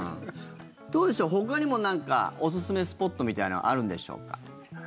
どうでしょうほかにも、何かおすすめスポットみたいのあるんでしょうか？